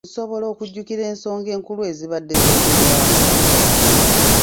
Nsobola okujjukira ensonga enkulu ezibadde zoogerwako?